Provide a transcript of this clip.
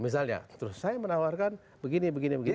misalnya terus saya menawarkan begini begini begini